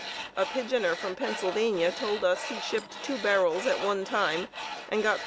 A pigeoner from Pennsylvania told us he shipped two barrels at one time and got $5.